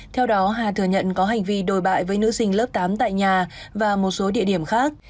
theo đó hà thừa nhận có hành vi đồi bại với nữ sinh lớp tám tại nhà và một số địa điểm khác